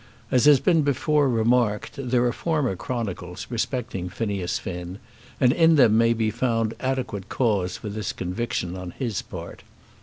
As has been before remarked, there are former chronicles respecting Phineas Finn, and in them may be found adequate cause for this conviction on his part.